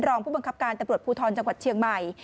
รองผู้บังคับการตำรวจภูทรจังหวัดเชียงใหม่